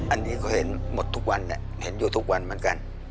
อันนี้ก็เห็นหมดทุกวันเห็นอยู่ทุกวันเหมือนกัน